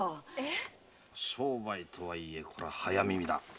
商売とはいえ早耳だな。